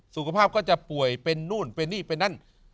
สุขภาพก็จะป่วยเป็นนู่นเป็นนี่เป็นนั่น